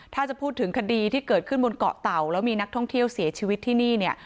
ถ้าจะพูดถึงคดีที่เกิดขึ้นบนเกาะเต่าแล้วมีนักท่องเที่ยวเสียชีวิตที่นี่เนี่ย